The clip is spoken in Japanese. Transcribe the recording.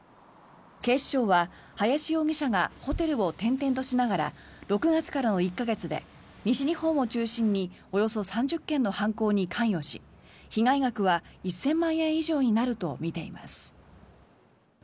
警視庁は、林容疑者がホテルを転々としながら６月からの１か月で西日本を中心におよそ３０件の犯行に関与し被害額は１０００万円以上になるとみています。